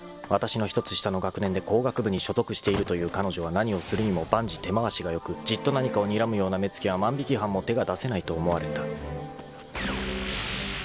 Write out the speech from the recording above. ［わたしの１つ下の学年で工学部に所属しているという彼女は何をするにも万事手回しがよくじっと何かをにらむような目つきは万引犯も手が出せないと思われた］